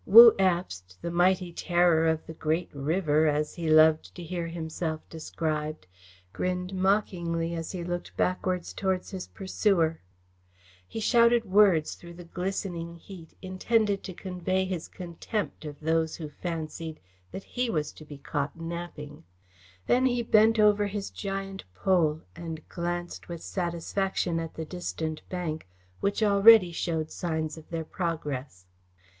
Wu Abst, the Mighty Terror of the Great River, as he loved to hear himself described, grinned mockingly as he looked backwards towards his pursuer. He shouted words through the glistening heat intended to convey his contempt of those who fancied that he was to be caught napping. Then he bent over his giant pole and glanced with satisfaction at the distant bank, which already showed signs of their progress.